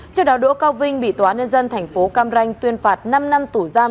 trước đó đỗ cao vinh bị tòa nhân dân thành phố cam ranh tuyên phạt năm năm tù giam